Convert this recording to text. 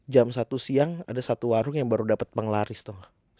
jam satu siang ada satu warung yang baru dapet penglaris tuh